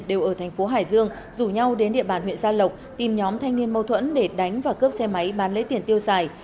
đều ở thành phố hải dương rủ nhau đến địa bàn huyện gia lộc tìm nhóm thanh niên mâu thuẫn để đánh và cướp xe máy bán lấy tiền tiêu xài